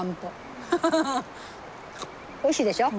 おいしいでしょ？